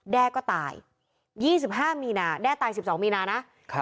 แด้ก็ตาย๒๕มีนาแด้ตาย๑๒มีนานะ